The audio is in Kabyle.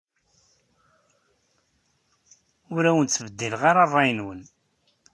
Ur awen-ttbeddileɣ ṛṛay-nwen.